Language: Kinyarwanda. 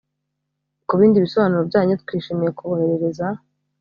Kubindi bisobanuro byanyu twishimiye kuboherereza